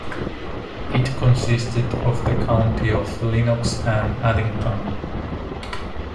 It consisted of the county of Lennox and Addington.